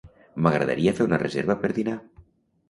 M'agradaria fer una reserva per dinar.